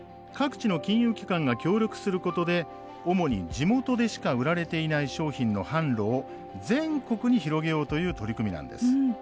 各地の金融機関が協力することで主に地元でしか売られていない商品の販路を、全国に広げようという取り組みなんです。